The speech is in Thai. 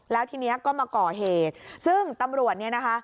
แล้วทีนี้ก็มาก่อเหตุซึ่งตำรวจเนี่ยนะคะ